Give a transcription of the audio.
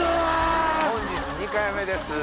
本日２回目です。